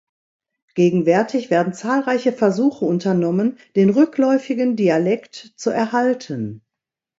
Gegenwärtig werden zahlreiche Versuche unternommen, den rückläufigen Dialekt zu erhalten.